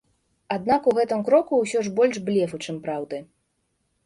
Аднак у гэтым кроку ўсё ж больш блефу, чым праўды.